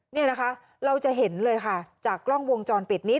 นี่นะคะเราจะเห็นเลยค่ะจากกล้องวงจรปิดนี้